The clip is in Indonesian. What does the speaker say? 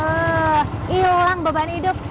ehh hilang beban hidup